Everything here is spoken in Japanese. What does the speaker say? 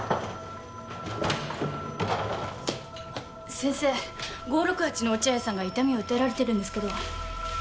先生５６８の落合さんが痛みを訴えられているんですけど。